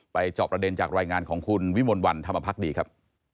จอบประเด็นจากรายงานของคุณวิมลวันธรรมพักดีครับ